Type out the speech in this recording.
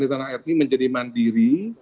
di tanah air ini menjadi mandiri